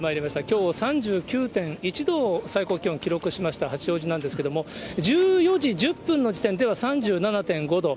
きょう３９．１度を、最高気温記録しました八王子なんですけれども、１４時１０分の時点では３７．５度。